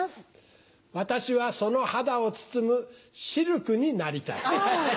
私はその肌を包むシルクになりたい。